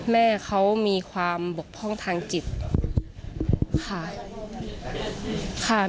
แม่เขามีความบกพร่องทางจิตค่ะ